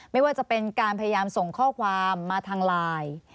ไม่ว่าจะเป็นการพยายามส่งข้อความมาทางไลน์